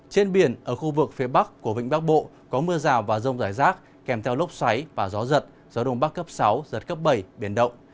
trên biển ở khu vực phía bắc của vịnh bắc bộ có mưa rào và rông rải rác kèm theo lốc xoáy và gió giật gió đông bắc cấp sáu giật cấp bảy biển động